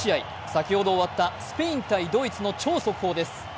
先ほど終わったスペイン×ドイツの超速報です。